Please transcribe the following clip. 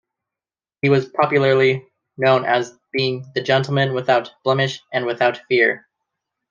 He was popularly known as being "The gentleman without blemish and without fear".